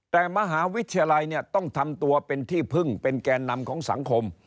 แต่มหาวิทยาลัยเนี่ยต้องทำตัวเป็นที่พึ่งเป็นแก่นำของสังคม